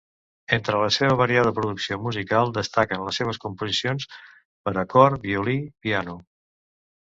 Entre la seva variada producció musical destaquen les seves composicions per a cor, violí piano.